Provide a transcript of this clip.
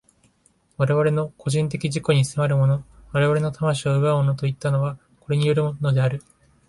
我々の個人的自己に迫るもの、我々の魂を奪うものといったのは、これによるのである。